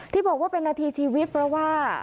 ที่บอกว่าเป็นนาทีชีวิตเพราะว่า